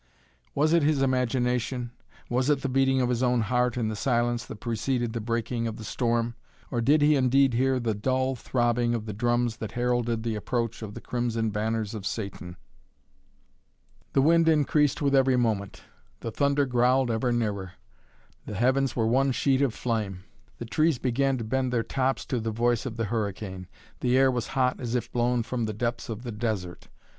Was it his imagination, was it the beating of his own heart in the silence that preceded the breaking of the storm; or did he indeed hear the dull throbbing of the drums that heralded the approach of the crimson banners of Satan? The wind increased with every moment. The thunder growled ever nearer. The heavens were one sheet of flame. The trees began to bend their tops to the voice of the hurricane. The air was hot as if blown from the depths of the desert.